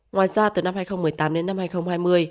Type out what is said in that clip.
ngoài ra từ năm hai nghìn một mươi tám đến năm hai nghìn hai mươi